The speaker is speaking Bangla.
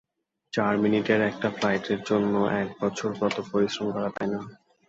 চার মিনিটের একটা ফ্লাইটের জন্য এক বছর কত পরিশ্রম করা, তাই না?